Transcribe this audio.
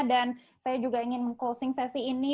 dan saya juga ingin meng closing sesi ini